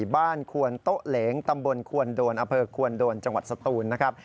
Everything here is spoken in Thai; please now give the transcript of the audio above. ควนโต๊ะเหลงตำบลควนโดนอำเภอควนโดนจังหวัดสตูนนะครับ